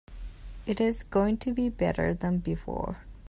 It is going to be better than before.